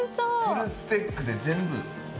フルスペックで全部。